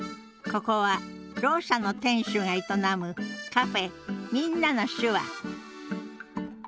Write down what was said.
ここはろう者の店主が営むカフェ「みんなの手話」